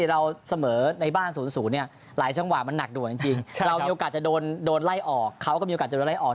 ดังนั้นว่ากำลังกำลังแล้วเราก็มีโอกาสจะเรียกอะไรออก